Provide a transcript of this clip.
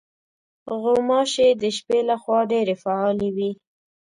غوماشې د شپې له خوا ډېرې فعالې وي.